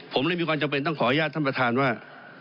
ผมเลยมีความจำเป็นต้องขออนุญาตท่านประธานว่า